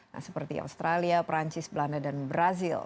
nah seperti australia perancis belanda dan brazil